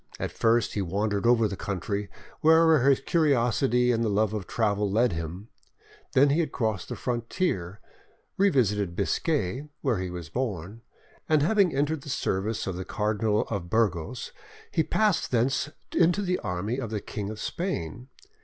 At first he wandered over the country, wherever his curiosity and the love of travel led him. He then had crossed the frontier, revisited Biscay, where he was born, and having entered the service of the Cardinal of Burgos, he passed thence into the army of the King of Spain.